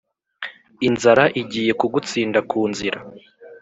inzara igiye kugutsinda ku nzira